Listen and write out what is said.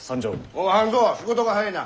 おお半蔵仕事が早いな。